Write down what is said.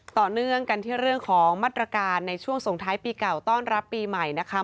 ต่อเนื่องกันที่เรื่องของมาตรการในช่วงส่งท้ายปีเก่าต้อนรับปีใหม่นะคะ